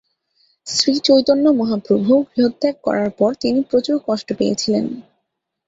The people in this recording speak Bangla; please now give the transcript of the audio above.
শ্রী চৈতন্য মহাপ্রভু গৃহত্যাগ করার পর তিনি প্রচুর কষ্ট পেয়েছিলেন।